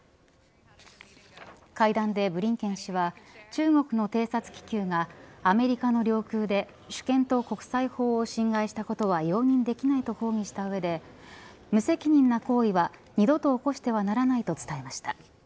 会談でブリンケン氏は中国の偵察気球がアメリカの領空で主権と国際法を侵害したことは容認できないと抗議した上で無責任な行為は二度と起こしてはならないと伝えました。